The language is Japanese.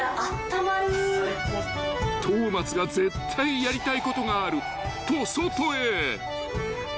［東松が絶対やりたいことがあると外へ］